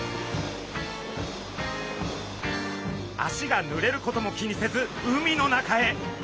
足がぬれることも気にせず海の中へ。